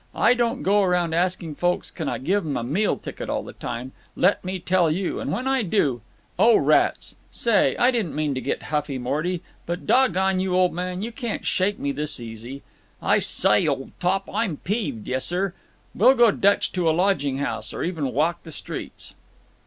I don't go around asking folks can I give 'em a meal ticket all the time, let me tell you, and when I do—Oh rats! Say, I didn't mean to get huffy, Morty. But, doggone you, old man, you can't shake me this easy. I sye, old top, I'm peeved; yessir. We'll go Dutch to a lodging house, or even walk the streets."